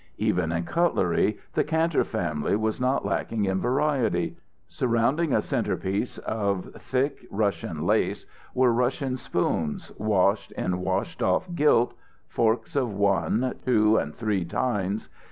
Even in cutlery, the Kantor family was not lacking in variety. Surrounding a centerpiece of thick Russian lace were Russian spoons washed in washed off gilt, forks of one, two, and three tines.